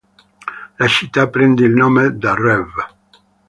La città prende il nome da Rev.